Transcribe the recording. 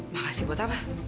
makasih buat apa